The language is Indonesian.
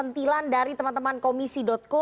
sentilan dari teman teman komisi co